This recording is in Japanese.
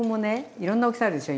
いろんな大きさあるでしょ？